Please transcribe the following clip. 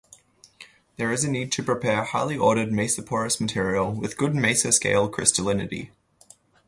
There is a need to prepare highly ordered mesoporous material with good mesoscale crystallinity.